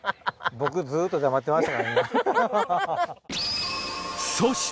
僕ずっと黙ってました。